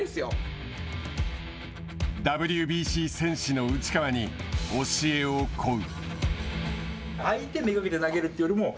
ＷＢＣ戦士の内川に教えを請う。